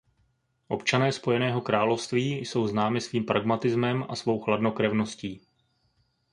Občané Spojeného království jsou známi svým pragmatismem a svou chladnokrevností.